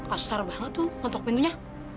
asar banget tuh ketuk pintunya